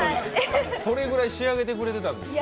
それぐらい仕上げてくれていたんですね。